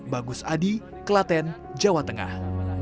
bagus adi kelaten jawa tengah